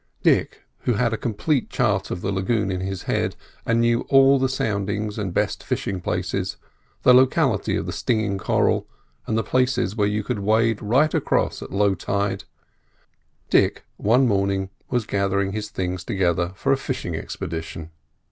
Dick, who had a complete chart of the lagoon in his head, and knew all the soundings and best fishing places, the locality of the stinging coral, and the places where you could wade right across at low tide—Dick, one morning, was gathering his things together for a fishing expedition.